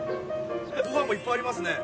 ご飯もいっぱいありますね。